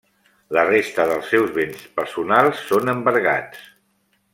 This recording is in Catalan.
La resta dels seus béns personals són embargats.